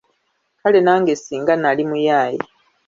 Kale nange singa nali muyaaye.